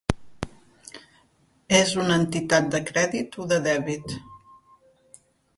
És una entitat de crèdit o de dèbit?